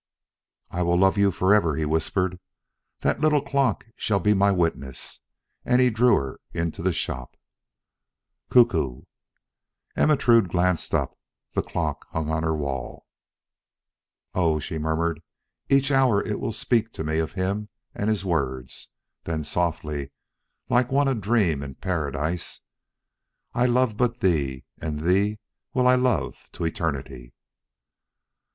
"I will love you forever," he whispered. "That little clock shall be my witness." And he drew her into the shop. "Cuckoo!" Ermentrude glanced up; the clock hung on her wall. "Oh," she murmured, "each hour it will speak to me of him and his words," then softly, like one adream in Paradise: "I love but thee, And thee will I love to eternity."